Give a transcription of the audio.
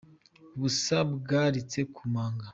Ubusa bwaritse ku manga.